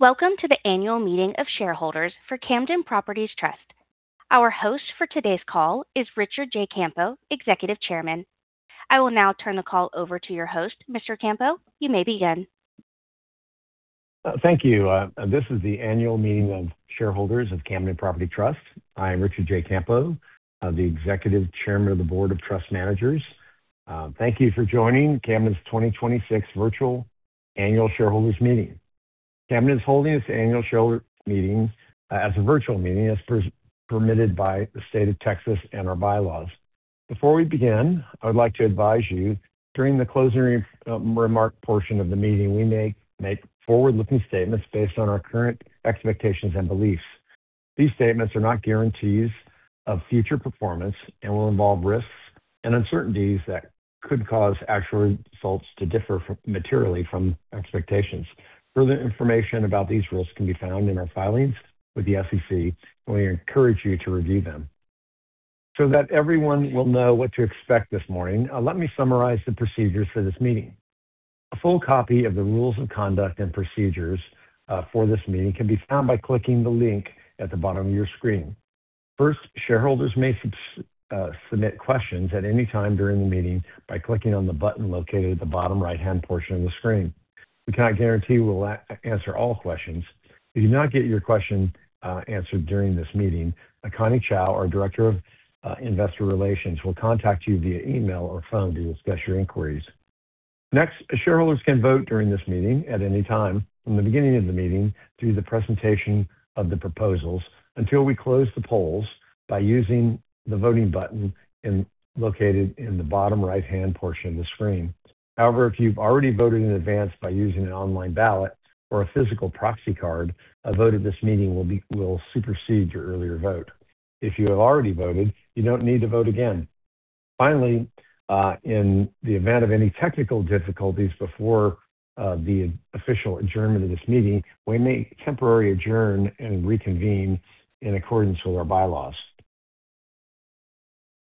Welcome to the annual meeting of shareholders for Camden Property Trust. Our host for today's call is Richard J. Campo, Executive Chairman. I will now turn the call over to your host. Mr. Campo, you may begin. Thank you. This is the annual meeting of shareholders of Camden Property Trust. I am Richard J. Campo, the Executive Chairman of the Board of Trust Managers. Thank you for joining Camden's 2026 virtual annual shareholders meeting. Camden is holding its annual shareholder meeting as a virtual meeting as permitted by the state of Texas and our bylaws. Before we begin, I would like to advise you during the closing remark portion of the meeting, we may make forward-looking statements based on our current expectations and beliefs. These statements are not guarantees of future performance and will involve risks and uncertainties that could cause actual results to differ materially from expectations. Further information about these risks can be found in our filings with the SEC, and we encourage you to review them. That everyone will know what to expect this morning, let me summarize the procedures for this meeting. A full copy of the rules of conduct and procedures for this meeting can be found by clicking the link at the bottom of your screen. First, shareholders may submit questions at any time during the meeting by clicking on the button located at the bottom right-hand portion of the screen. We cannot guarantee we'll answer all questions. If you do not get your question answered during this meeting, Connie Chou, our director of investor relations, will contact you via email or phone to discuss your inquiries. Next, shareholders can vote during this meeting at any time from the beginning of the meeting through the presentation of the proposals until we close the polls by using the voting button located in the bottom right-hand portion of the screen. However, if you've already voted in advance by using an online ballot or a physical proxy card, a vote at this meeting will supersede your earlier vote. If you have already voted, you don't need to vote again. Finally, in the event of any technical difficulties before the official adjournment of this meeting, we may temporarily adjourn and reconvene in accordance with our bylaws.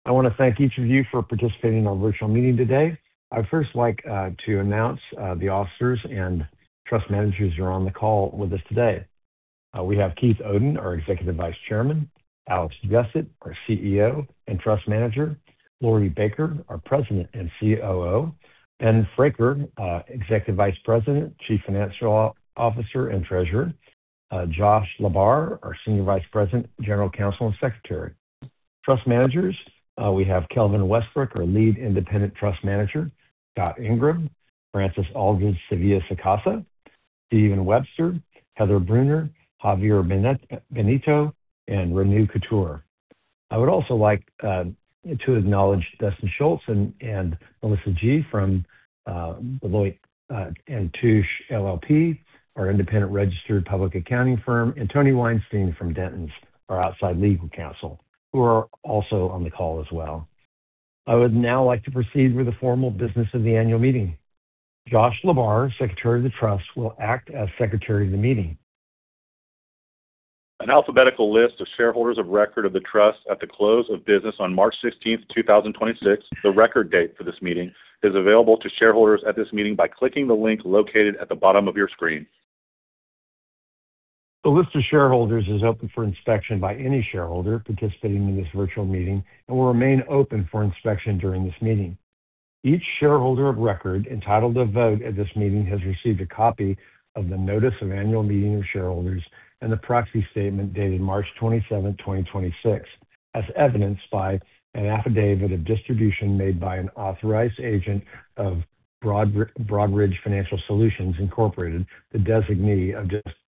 I wanna thank each of you for participating in our virtual meeting today. I'd first like to announce the officers and trust managers who are on the call with us today. We have Keith Oden, our Executive Vice Chairman; Alex Jessett, our CEO and Trust Manager; Laurie A. Baker, our President and COO; Ben Fraker, Executive Vice President, Chief Financial Officer, and Treasurer; Josh Lebar, our Senior Vice President, General Counsel, and Secretary. Trust managers, we have Kelvin R. Westbrook, our Lead Independent Trust Manager; Scott S. Ingraham, Frances Aldrich Sevilla-Sacasa, Steven A. Webster, Heather J. Brunner, Javier E. Benito, and Renu Khator. I would also like to acknowledge Dustin Schultz and Melissa Ji from Deloitte & Touche LLP, our independent registered public accounting firm, and Toni Weinstein from Dentons, our outside legal counsel, who are also on the call as well. I would now like to proceed with the formal business of the annual meeting. Josh Lebar, secretary of the trust, will act as secretary of the meeting. An alphabetical list of shareholders of record of the trust at the close of business on March 16th, 2026, the record date for this meeting, is available to shareholders at this meeting by clicking the link located at the bottom of your screen. The list of shareholders is open for inspection by any shareholder participating in this virtual meeting and will remain open for inspection during this meeting. Each shareholder of record entitled to vote at this meeting has received a copy of the notice of annual meeting of shareholders and the proxy statement dated March 27, 2026, as evidenced by an affidavit of distribution made by an authorized agent of Broadridge Financial Solutions, Inc, the designee of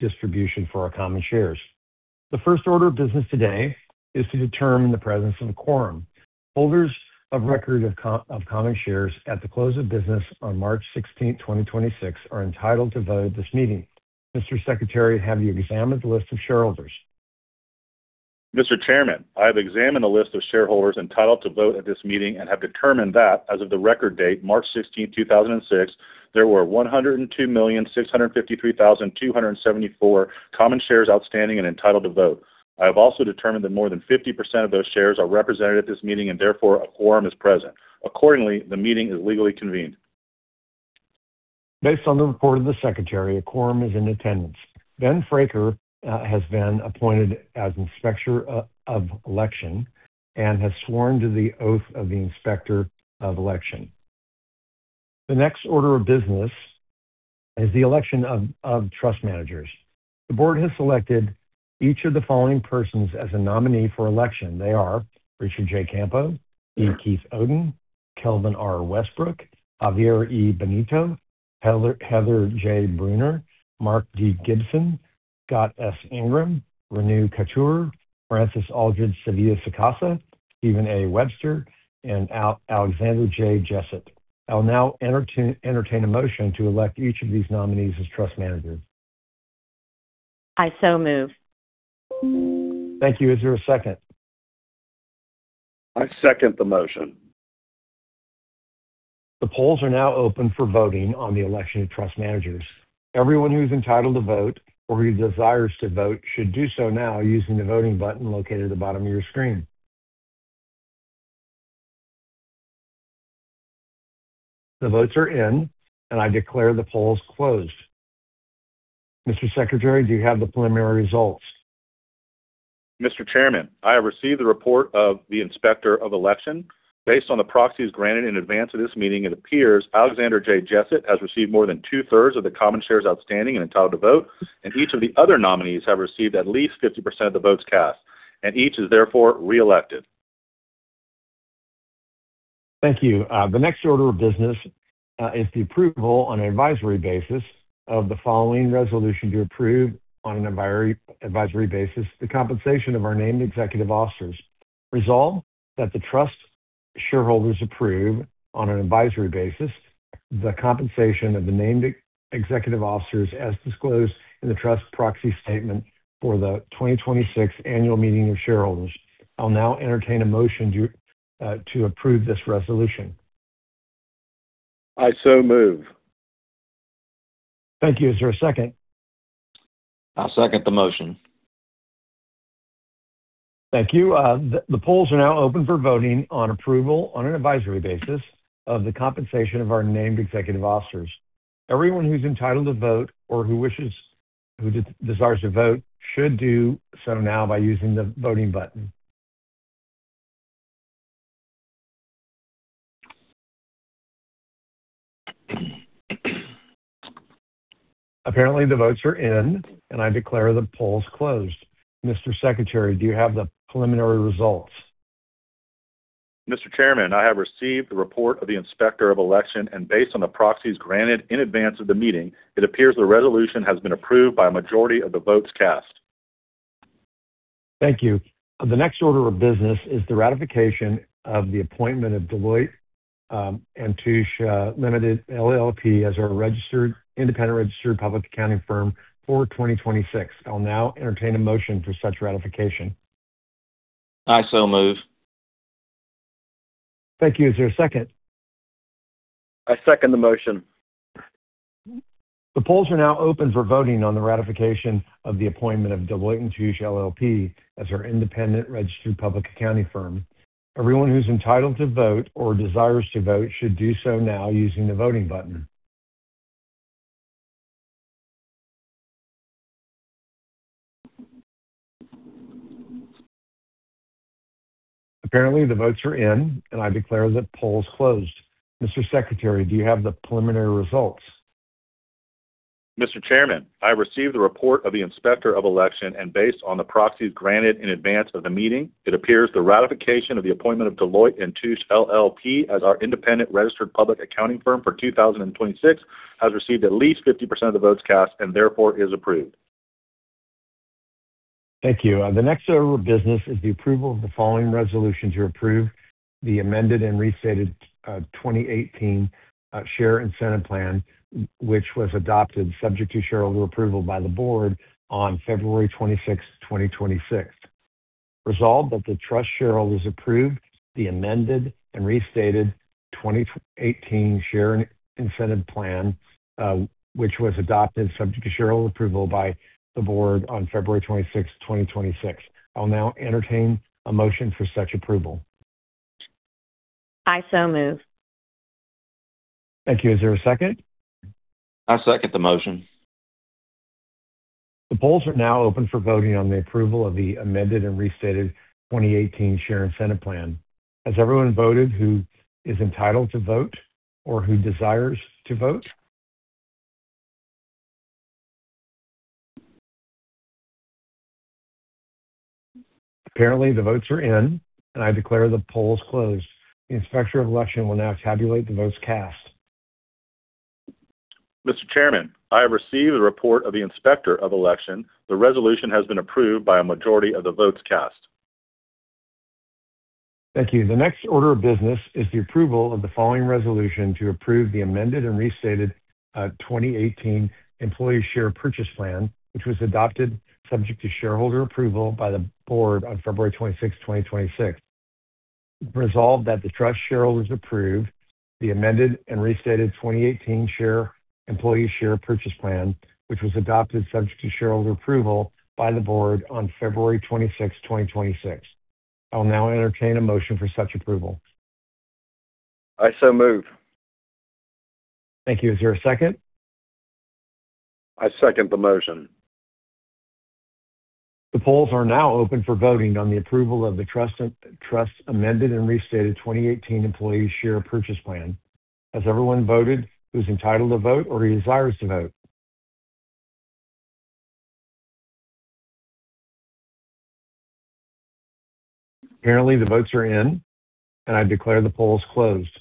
distribution for our common shares. The first order of business today is to determine the presence of a quorum. Holders of record of common shares at the close of business on March 16, 2026, are entitled to vote at this meeting. Mr. Secretary, have you examined the list of shareholders? Mr. Chairman, I have examined the list of shareholders entitled to vote at this meeting and have determined that as of the record date, March 16, 2006, there were 102,653,274 common shares outstanding and entitled to vote. I have also determined that more than 50% of those shares are represented at this meeting, therefore, a quorum is present. Accordingly, the meeting is legally convened. Based on the report of the secretary, a quorum is in attendance. Ben Fraker has been appointed as inspector of election and has sworn to the oath of the inspector of election. The next order of business is the election of trust managers. The board has selected each of the following persons as a nominee for election. They are Richard J. Campo, D. Keith Oden, Kelvin R. Westbrook, Javier E. Benito, Heather J. Brunner, Mark D. Gibson, Scott S. Ingraham, Renu Khator, Frances Aldrich Sevilla-Sacasa, Steven A. Webster, and Alexander J. Jessett. I will now entertain a motion to elect each of these nominees as trust managers. I so move. Thank you. Is there a second? I second the motion. The polls are now open for voting on the election of trust managers. Everyone who is entitled to vote or who desires to vote should do so now using the voting button located at the bottom of your screen. The votes are in, and I declare the polls closed. Mr. Secretary, do you have the preliminary results? Mr. Chairman, I have received the report of the inspector of election. Based on the proxies granted in advance of this meeting, it appears Alexander J. Jessett has received more than two-thirds of the common shares outstanding and entitled to vote, and each of the other nominees have received at least 50% of the votes cast. Each is therefore reelected. Thank you. The next order of business is the approval on an advisory basis of the following resolution to approve on an advisory basis the compensation of our named Chief Executive Officers. Resolve that the Trust shareholders approve on an advisory basis the compensation of the named Chief Executive Officers as disclosed in the Trust proxy statement for the 2026 annual meeting of shareholders. I'll now entertain a motion to approve this resolution. I so move. Thank you. Is there a second? I'll second the motion. Thank you. The polls are now open for voting on approval on an advisory basis of the compensation of our named executive officers. Everyone who's entitled to vote or who desires to vote should do so now by using the voting button. Apparently, the votes are in, and I declare the polls closed. Mr. Secretary, do you have the preliminary results? Mr. Chairman, I have received the report of the inspector of election, and based on the proxies granted in advance of the meeting, it appears the resolution has been approved by a majority of the votes cast. Thank you. The next order of business is the ratification of the appointment of Deloitte & Touche LLP as our independent registered public accounting firm for 2026. I'll now entertain a motion for such ratification. I so move. Thank you. Is there a second? I second the motion. The polls are now open for voting on the ratification of the appointment of Deloitte & Touche LLP as our independent registered public accounting firm. Everyone who's entitled to vote or desires to vote should do so now using the voting button. Apparently, the votes are in, and I declare the polls closed. Mr. Secretary, do you have the preliminary results? Mr. Chairman, I received the report of the inspector of election, and based on the proxies granted in advance of the meeting, it appears the ratification of the appointment of Deloitte & Touche LLP as our independent registered public accounting firm for 2026 has received at least 50% of the votes cast and therefore is approved. Thank you. The next order of business is the approval of the following resolution to approve the amended and restated 2018 share incentive plan, which was adopted subject to shareholder approval by the Board on February 26th, 2026. Resolve that the trust shareholders approve the amended and restated 2018 share incentive plan, which was adopted subject to shareholder approval by the Board on February 26th, 2026. I'll now entertain a motion for such approval. I so move. Thank you. Is there a second? I second the motion. The polls are now open for voting on the approval of the amended and restated 2018 share incentive plan. Has everyone voted who is entitled to vote or who desires to vote? Apparently, the votes are in, and I declare the polls closed. The Inspector of Election will now tabulate the votes cast. Mr. Chairman, I have received the report of the Inspector of Election. The resolution has been approved by a majority of the votes cast. Thank you. The next order of business is the approval of the following resolution to approve the amended and restated 2018 employee share purchase plan, which was adopted subject to shareholder approval by the board on February 26, 2026. Resolve that the trust shareholders approve the amended and restated 2018 employee share purchase plan, which was adopted subject to shareholder approval by the board on February 26, 2026. I'll now entertain a motion for such approval. I so move. Thank you. Is there a second? I second the motion. The polls are now open for voting on the approval of the trust's amended and restated 2018 Employee Share Purchase Plan. Has everyone voted who's entitled to vote or desires to vote? Apparently, the votes are in, and I declare the polls closed.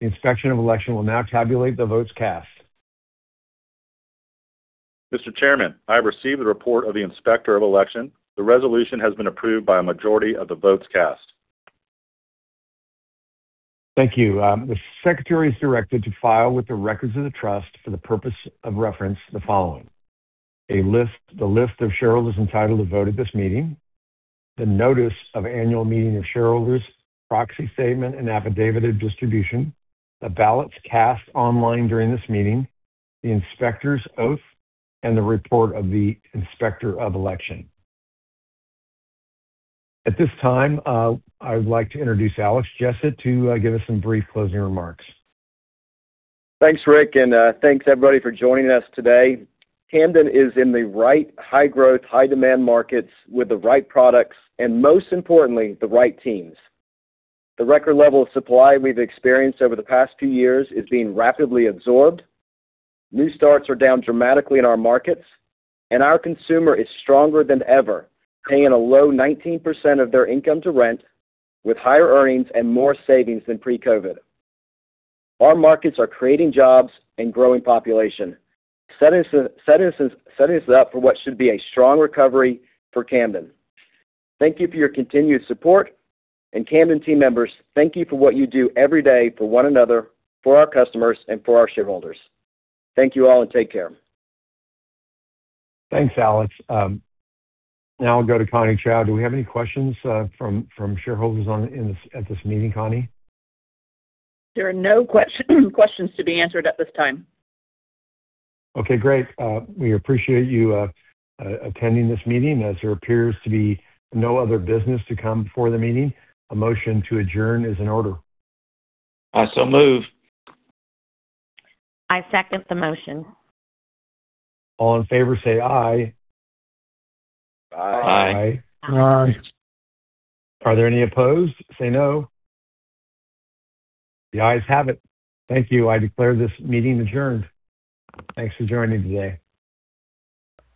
The Inspector of Election will now tabulate the votes cast. Mr. Chairman, I have received the report of the Inspector of Election. The resolution has been approved by a majority of the votes cast. Thank you. The Secretary is directed to file with the records of the trust for the purpose of reference the following: a list, the list of shareholders entitled to vote at this meeting; the notice of annual meeting of shareholders, proxy statement, and affidavit of distribution; the ballots cast online during this meeting; the Inspector's oath; and the report of the Inspector of Election. At this time, I would like to introduce Alexander Jessett to give us some brief closing remarks. Thanks, Rick, thanks everybody for joining us today. Camden is in the right high-growth, high-demand markets with the right products and, most importantly, the right teams. The record level of supply we've experienced over the past few years is being rapidly absorbed. New starts are down dramatically in our markets, our consumer is stronger than ever, paying a low 19% of their income to rent with higher earnings and more savings than pre-COVID. Our markets are creating jobs and growing population, setting us up for what should be a strong recovery for Camden. Thank you for your continued support. Camden team members, thank you for what you do every day for one another, for our customers, and for our shareholders. Thank you all and take care. Thanks, Alex. Now I'll go to Connie Chou. Do we have any questions from shareholders at this meeting, Connie? There are no questions to be answered at this time. Okay, great. We appreciate you attending this meeting. As there appears to be no other business to come before the meeting, a motion to adjourn is in order. I so move. I second the motion. All in favor say aye. Aye. Aye. Are there any opposed? Say no. The ayes have it. Thank you. I declare this meeting adjourned. Thanks for joining today.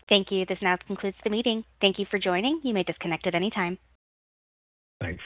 Thank you. This now concludes the meeting. Thank you for joining. You may disconnect at any time. Thanks.